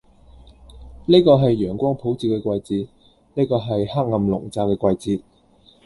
呢個係陽光普照嘅季節，呢個係黑暗籠罩嘅季節，